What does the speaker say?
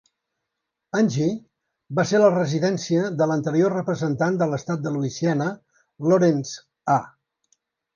Angie va ser la residència de l"anterior representant de l"estat de Louisiana, Lawrence A.